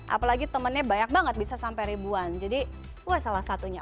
apalagi temannya banyak banget bisa sampai ribuan jadi wah salah satunya